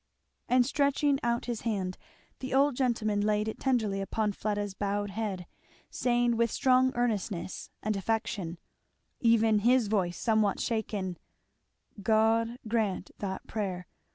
And stretching out his hand the old gentleman laid it tenderly upon Fleda's bowed head, saying with strong earnestness and affection, even his voice somewhat shaken, "God grant that prayer!